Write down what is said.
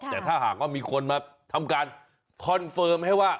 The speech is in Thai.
แต่ถ้าหากว่ามีคนมาทำการคอนเฟิร์มให้ว่า